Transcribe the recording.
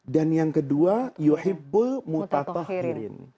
dan yang kedua yuhibbul mutatawabin